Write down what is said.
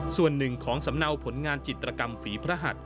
ส่วนหนึ่งของสำเนาผลงานจิตรกรรมฝีพระหัส